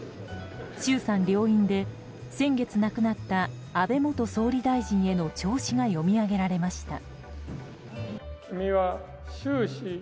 衆参両院で先月亡くなった安倍元総理大臣への弔詞が読み上げられました。